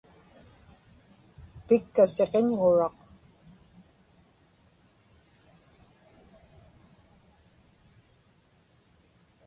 pikka siqiñġuraq